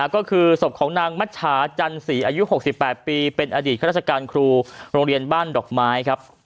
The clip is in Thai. ก็คือศพของนางมัชชาจันสีอายุ๖๘ปีเป็นอดีตข้าราชการครูโรงเรียนบ้านดอกไม้ครับ